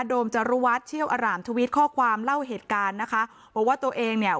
โมมจรุวัฒน์เชี่ยวอร่ามทวิตข้อความเล่าเหตุการณ์นะคะบอกว่าตัวเองเนี่ย